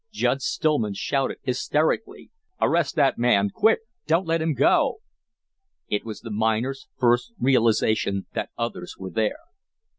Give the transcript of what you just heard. Judge Stillman shouted, hysterically: "Arrest that man, quick! Don't let him go!" It was the miner's first realization that others were there.